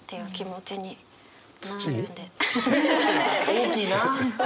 大きいな。